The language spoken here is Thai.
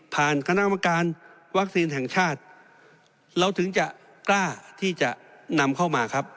คณะกรรมการวัคซีนแห่งชาติเราถึงจะกล้าที่จะนำเข้ามาครับ